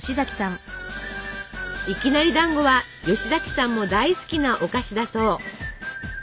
いきなりだんごは吉崎さんも大好きなお菓子だそう。